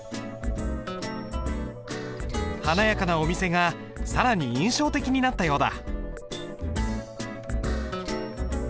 華やかなお店が更に印象的になったようだ。